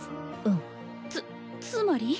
うんつつまり？